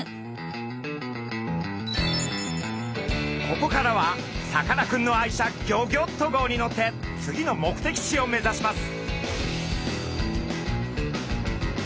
ここからはさかなクンの愛車ギョギョッと号に乗って次の目的地を目指します。